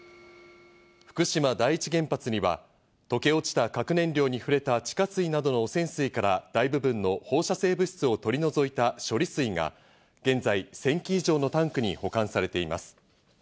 福島第一原発には溶け落ちた核燃料に触れた地下水などの汚染水から大部分の放射性物質を取り除いた処理水が現在、１０００基以上のタンクに保管されています。